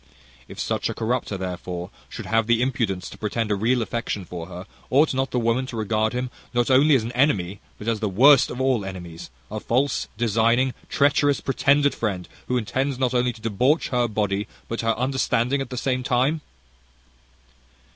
If such corrupter, therefore, should have the impudence to pretend a real affection for her, ought not the woman to regard him not only as an enemy, but as the worst of all enemies, a false, designing, treacherous, pretended friend, who intends not only to debauch her body, but her understanding at the same time?"